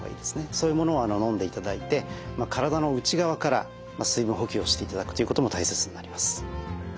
そういうものを飲んでいただいて体の内側から水分補給をしていただくということも大切になります。